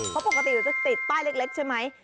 เพราะปกติเขาหลอดจะสิบต้น